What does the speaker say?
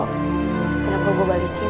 kenapa gue balikin